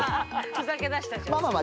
ふざけだしたじゃんすごい。